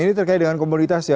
ini terkait dengan komoditas ya